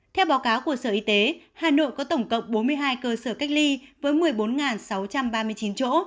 theo báo cáo của sở y tế hà nội có tổng cộng bốn mươi hai cơ sở cách ly với một mươi bốn sáu trăm ba mươi chín chỗ